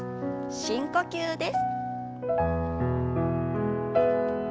深呼吸です。